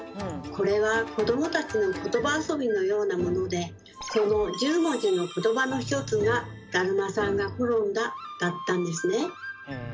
これは子どもたちのことば遊びのようなものでその１０文字のことばの一つが「だるまさんがころんだ」だったんですね。